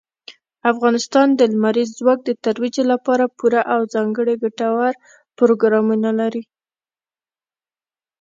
افغانستان د لمریز ځواک د ترویج لپاره پوره او ځانګړي ګټور پروګرامونه لري.